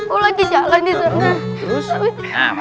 oh lagi jalan di sana